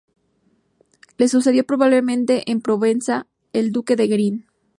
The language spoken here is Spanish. Le sucedió probablemente en Provenza el Duque de Guerin.